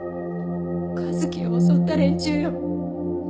和樹を襲った連中よ。